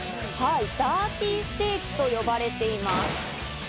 ダーティーステーキと呼ばれています。